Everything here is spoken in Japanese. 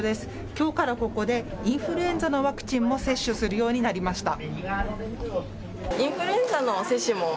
きょうからここでインフルエンザのワクチンも接種するようになりました。